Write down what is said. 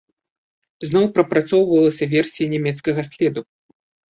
Зноў прапрацоўвалася версія нямецкага следу.